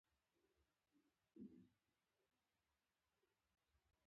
افریقا شمال او مصر کې فاطمي خلافت رامنځته کړی و